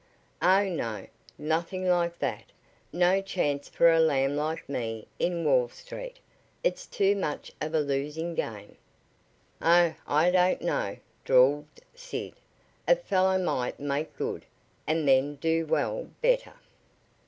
"Oh, no. Nothing like that. No chance for a lamb like me in Wall Street. It's too much of a losing game." "Oh, I don't know," drawled Sid. "A fellow might make good, and then do well, better."